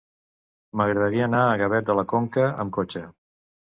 M'agradaria anar a Gavet de la Conca amb cotxe.